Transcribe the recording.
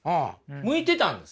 向いてたんです。